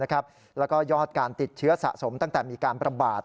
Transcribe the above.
แล้วก็ยอดการติดเชื้อสะสมตั้งแต่มีการประบาด